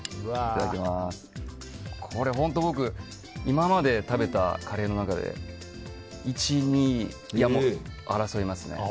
これ、本当に僕が今まで食べたカレーの中で１位、２位を争いますね。